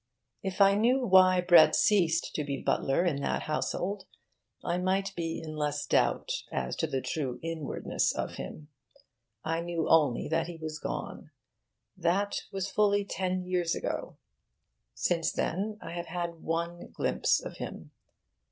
If I knew why Brett ceased to be butler in that household, I might be in less doubt as to the true inwardness of him. I knew only that he was gone. That was fully ten years ago. Since then I have had one glimpse of him.